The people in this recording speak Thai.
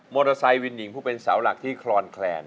ไซค์วินหญิงผู้เป็นเสาหลักที่คลอนแคลน